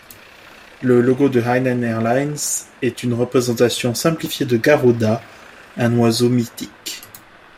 Le logo de Hainan Airlines est une représentation simplifiée de Garuda, un oiseau mythique.